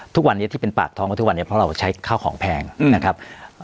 ทุกวันนี้ที่เป็นปากท้องกันทุกวันนี้เพราะเราใช้ข้าวของแพงนะครับ